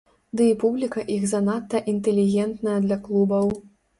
Ды і публіка іх занадта інтэлігентная для клубаў.